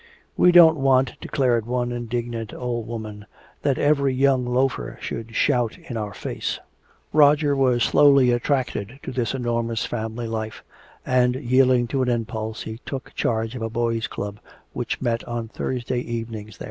"We don't want," declared one indignant old woman, "that every young loafer should shout in our face!" Roger was slowly attracted into this enormous family life, and yielding to an impulse he took charge of a boys' club which met on Thursday evenings there.